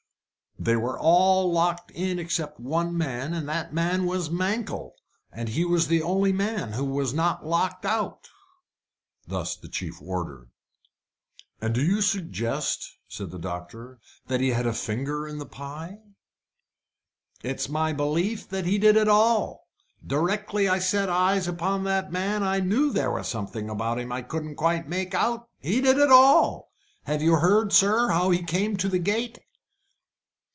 "They were all locked in except one man, and that man was Mankell and he was the only man who was not locked out." Thus the chief warder. "And do you suggest," said the doctor, "that he had a finger in the pie?" "It's my belief he did it all. Directly I set eyes upon the man I knew there was something about him I couldn't quite make out. He did it all! Have you heard, sir, how he came to the gate?"